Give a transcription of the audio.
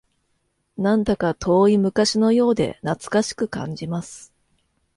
なんだか遠い昔のようで懐かしく感じます